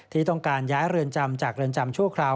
ที่ต้องการย้ายเรือนจำจากเรือนจำชั่วคราว